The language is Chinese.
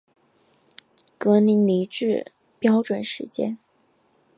格林尼治标准时间